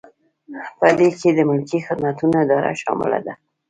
په دې کې د ملکي خدمتونو اداره شامله ده.